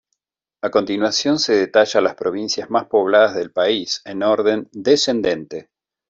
A continuación se detalla las provincias más pobladas del país, en orden descendente.